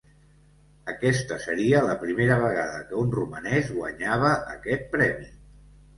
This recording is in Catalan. Aquesta seria la primera vegada que un romanès guanyava aquest premi.